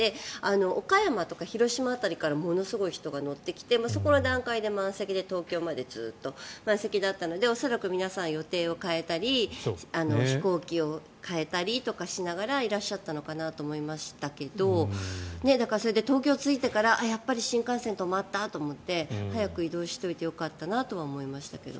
岡山とか広島辺りからものすごい人が乗ってきてそこの段階で満席で東京までずっと満席だったので恐らく、皆さん予定を変えたり飛行機を変えたりとかしながらいらっしゃったのかなと思いましたけどだから、東京に着いてからやっぱり新幹線止まったと思って早く移動しておいてよかったなと思いましたけど。